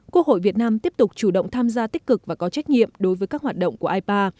quốc hội việt nam tiếp tục chủ động tham gia tích cực và có trách nhiệm đối với các hoạt động của ipa